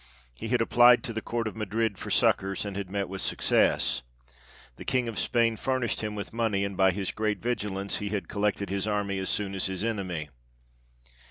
He had applied to the Court of Madrid for succours, and met with success ; the King of Spain furnished him with money, and by his great vigilance he had collected his army as soon as his enemy.